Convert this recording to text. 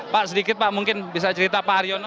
pak sedikit pak mungkin bisa cerita pak haryono